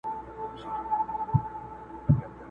لوڅ بدن ته خړي سترگي يې نيولي!!